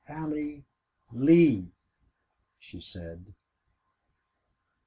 "Allie Lee," she said.